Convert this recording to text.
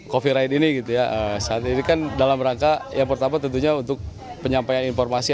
coffee right ini gitu ya saat ini kan dalam rangka yang pertama tentunya untuk penyampaian informasi